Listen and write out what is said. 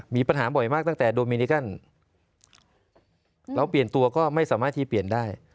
มีปัญหาบ่อยมากตั้งแต่โดมินิกันเราเปลี่ยนตัวก็ไม่สามารถที่เปลี่ยนได้